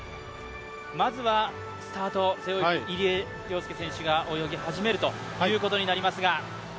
まずはスタート、背泳ぎ入江陵介選手が泳ぎ始めるということになりますが。